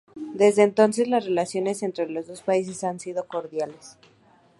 Desde entonces, las relaciones entre los dos países han sido cordiales.